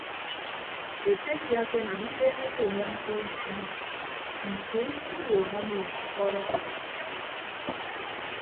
Etefia akenam ibeeñeke enye mkpọ nọ anyịm nso ikpiñwuọñọ mien ufọọd okoneyo ntom.